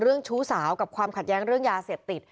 เรื่องชู้สาวกับความขัดแย้งเรื่องยาเสียบติด